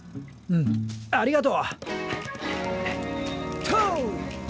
うんありがとう。とうっ！